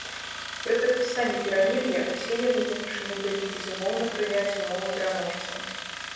Пры падпісанні перамір'я ўсе яны вымушаны былі безумоўна прыняць умовы пераможцаў.